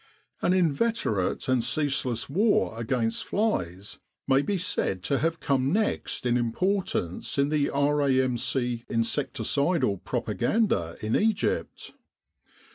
An inveterate and ceaseless war against flies may be said to have come next in importance in the R.A.M.C. insecticidal propaganda in Egypt.